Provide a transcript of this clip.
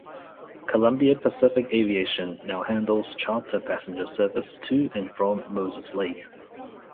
Columbia Pacific Aviation now handles charter passenger service to and from Moses Lake.